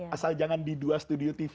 asal jangan di dua studio tv